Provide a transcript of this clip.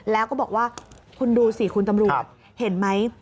แล้วก็บอกว่าคุณดูสิคุณตำรวจเห็นไหม